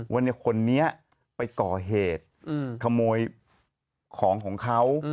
ว่าคนนี้ไปก่อเหตุขโมยของของเขา